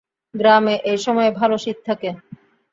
গ্রামে এই সময়ে ভালো শীত থাকে।